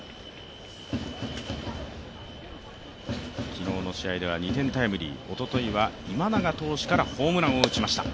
昨日の試合では２点タイムリー、おとといは今永投手からホームランを打ちました。